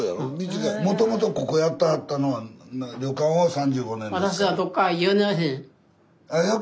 もともとここやってはったのは旅館を３５年ですか？